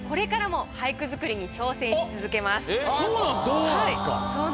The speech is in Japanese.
そうなんすか。